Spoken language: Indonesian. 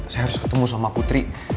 saya harus ketemu sama putri